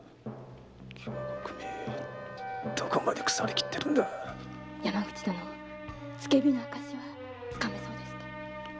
京極めどこまで腐りきっているんだ付け火の証拠はつかめそうですか？